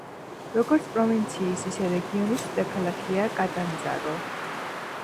როგორც პროვინციის, ისე რეგიონის დედაქალაქია კატანძარო.